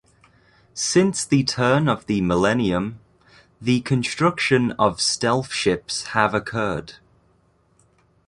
Since the turn of the millennium, the construction of stealth ships have occurred.